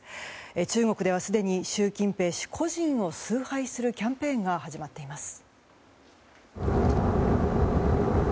中国ではすでに習近平氏個人を崇拝するキャンペーンが始まっています。